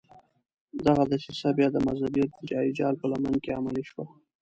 دغه دسیسه بیا د مذهبي ارتجاعي جال په لمن کې عملي شوه.